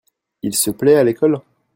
Il se plait à l'école ?